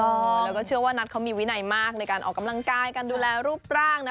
แล้วก็เชื่อว่านัทเขามีวินัยมากในการออกกำลังกายการดูแลรูปร่างนะ